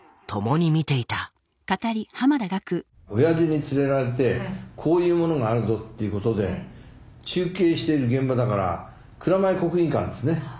おやじに連れられてこういうものがあるぞっていうことで中継してる現場だから蔵前国技館ですね。